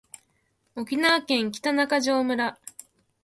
沖縄県北中城村